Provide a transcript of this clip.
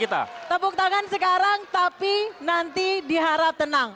tepuk tangan sekarang tapi nanti diharap tenang